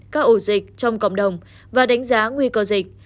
các ổ dịch trong cộng đồng và đánh giá nguy cơ dịch